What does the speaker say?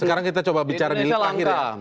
sekarang kita coba bicara di hilir kira kira